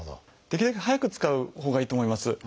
できるだけ早く使うほうがいいと思います。